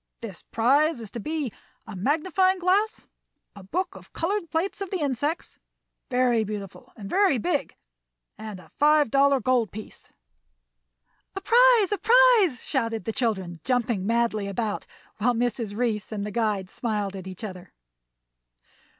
This prize is to be a magnifying glass, a book of colored plates of the insects, very beautiful and very big, and a five dollar gold piece." "A prize, a prize!" shouted the children, jumping madly about, while Mrs. Reece and the guide smiled at each other.